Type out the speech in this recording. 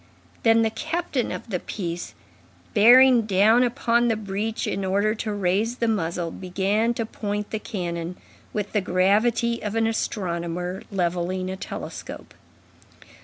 Then the captain of the piece, bearing down upon the breech in order to raise the muzzle, began to point the cannon with the gravity of an astronomer levelling a telescope.